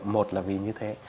một là vì như thế